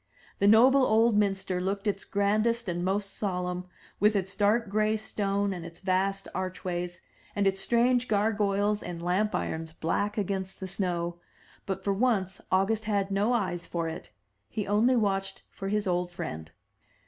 The noble old minster looked its grandest and most solemn, with its dark gray stone and its vast archways, and its strange gar goyles and lamp irons black against the snow; but for once August had no eyes for it: he only watched for his old friend.